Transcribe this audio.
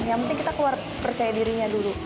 yang penting kita keluar percaya dirinya dulu